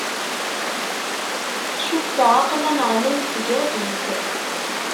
Cukkteɣ aql-aneɣ la nettgerriz.